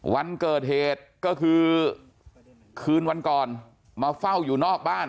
วันเกิดเหตุก็คือคืนวันก่อนมาเฝ้าอยู่นอกบ้าน